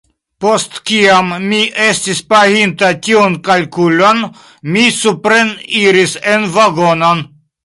Post kiam mi estis paginta tiun kalkulon, mi supreniris en vagonon.